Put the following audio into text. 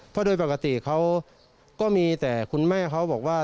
เพราะโดยปกติเขาก็มีแต่คุณแม่เขาบอกว่า